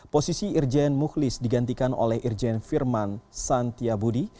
posisi irjen mukhlis digantikan oleh irjen firman santia budi